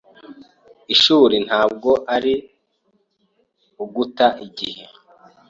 Ishuri ntabwo ari uguta igihe.